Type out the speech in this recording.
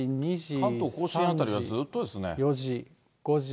関東甲信辺りはずっとですね。